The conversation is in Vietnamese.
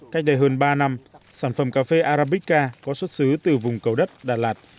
cách đây hơn ba năm sản phẩm cà phê arabica có xuất xứ từ vùng cầu đất đà lạt